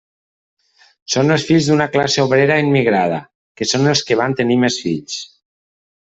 Són els fills d'una classe obrera immigrada, que són els que van tenir més fills.